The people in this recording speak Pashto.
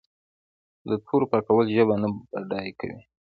د تورو پاکول ژبه نه بډای کوي.